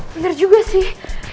bener juga sih